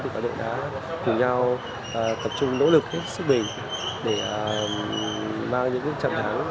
cả đội đã cùng nhau tập trung nỗ lực sức bình để mang những trận đấu